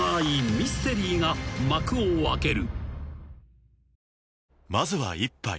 ミステリーが幕を開ける］